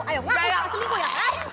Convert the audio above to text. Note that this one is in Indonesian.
ayo ngaku suka selingkuh ya